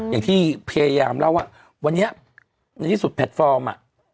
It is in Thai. อย่างที่พยายามเล่าว่าวันนี้ในที่สุดแพลตฟอร์มอ่ะ